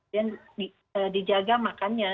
dan dijaga makannya